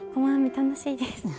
楽しいですよね。